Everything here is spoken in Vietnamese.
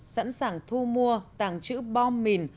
sẵn sàng thu mua tàng trữ bom mình